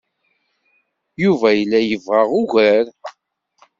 Yuba yella yebɣa ugar.